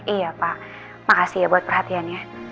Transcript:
iya pak makasih ya buat perhatiannya